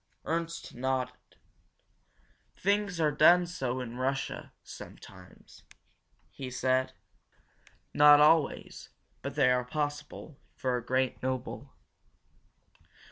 Ernst nodded. "Things are done so in Russia sometimes," he said. "Not always, but they are possible, for a great noble.